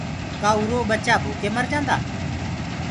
ڪآ ارو ٻچآ ڀوڪي مرجآندآ